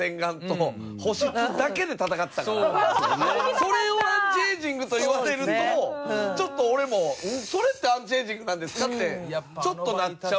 それをアンチエイジングと言われるとちょっと俺も「ん？それってアンチエイジングなんですか？」ってちょっとなっちゃうかなっていう。